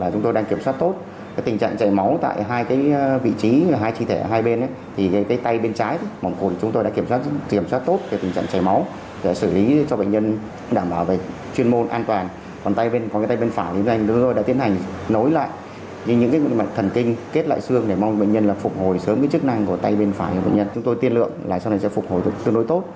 chúng tôi tiên lượng là sau này sẽ phục hồi tương đối tốt